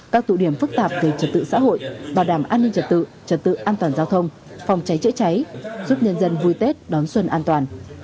các tụ điểm phức tạp về trật tự xã hội bảo đảm an ninh trật tự trật tự an toàn giao thông phòng cháy chữa cháy giúp nhân dân vui tết đón xuân an toàn